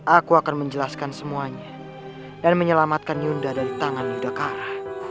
aku akan menjelaskan semuanya dan menyelamatkan yunda dari tangan yuda kara